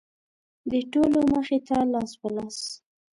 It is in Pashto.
د ټولو مخې ته لاس په لاس.